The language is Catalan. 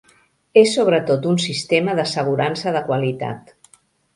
És sobretot un sistema d'assegurança de qualitat.